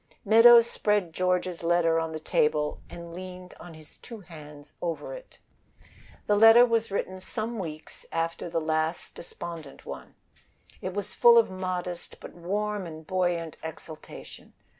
Meadows spread George's letter on the table and leaned on his two hands over it. The letter was written some weeks after the last desponding one. It was full of modest, but warm and buoyant exultation.